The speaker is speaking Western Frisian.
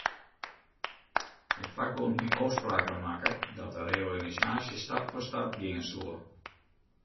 It fakbûn hie ôfspraken makke dat de reorganisaasje stap foar stap gean soe.